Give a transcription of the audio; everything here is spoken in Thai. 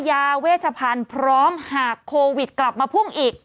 ยาเวชพันธุ์พร้อมหากโควิดกลับมาพุ่งอีก